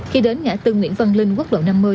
khi đến ngã tư nguyễn văn linh quốc lộ năm mươi